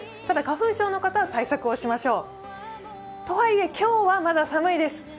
ただ、花粉症の方は対策をしましょう。とはいえ今日はまだ寒いです。